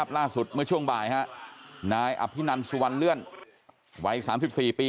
เมื่อช่วงบ่ายนายอภินันสุวรรณเลื่อนวัย๓๔ปี